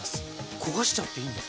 焦がしちゃっていいんですか？